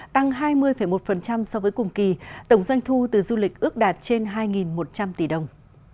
tăng hai mươi một so với cùng kỳ tổng doanh thu từ du lịch ước đạt trên hai một trăm linh tỷ đồng